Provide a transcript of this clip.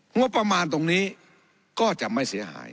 งบประมาณตรงนี้ก็จะไม่เสียหาย